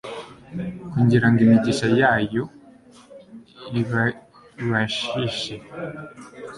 kugira ngo imigisha yayo ibabashishe